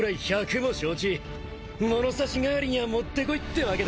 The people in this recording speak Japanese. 物差し代わりにゃもってこいってわけだ。